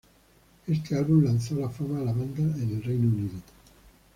Este álbum lanzó a la fama a la banda en el Reino Unido.